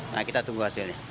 nah kita tunggu hasilnya